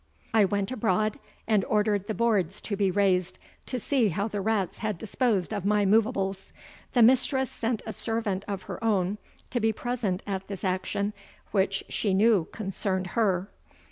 I went abroad and ordered the boards to be raised, to see how the rats had disposed of my moveables. The mistress sent a servant of her oune to be present at this action, which she knew concerned her.